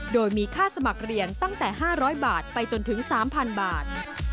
โดยมีค่าสมัครเรียนตั้งแต่๕๐๐บาทไปจนถึง๓๐๐บาท